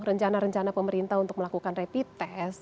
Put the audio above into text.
rencana rencana pemerintah untuk melakukan rapid test